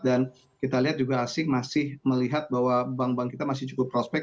dan kita lihat juga asing masih melihat bahwa bank bank kita masih cukup prospek